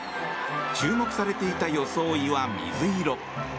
注目されていた装いは水色。